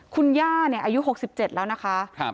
คุณย่าเนี่ยอายุหกสิบเจ็ดแล้วนะคะครับ